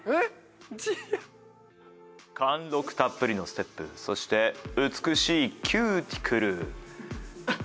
貫禄たっぷりのステップそして美しいキューティクル。